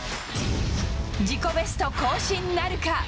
自己ベスト更新なるか。